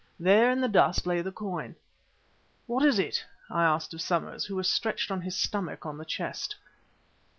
There in the dust lay the coin. "What is it?" I asked of Somers, who was stretched on his stomach on the chest.